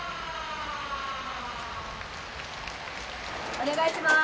お願いします！